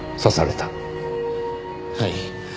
はい。